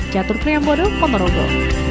jatuh kering yang bodoh pomerodo